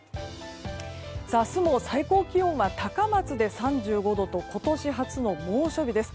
明日も最高気温は高松で３５度と今年初の猛暑日です。